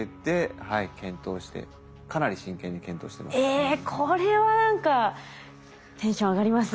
えこれは何かテンション上がりますね。